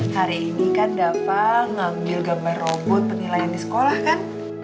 hari ini kan dava ngambil gambar robot penilaian di sekolah kan